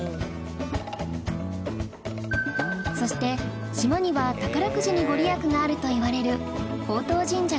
そして島には宝くじにご利益があるといわれる宝当神社があり